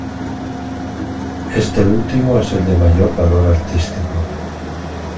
Este último es el de mayor valor artístico.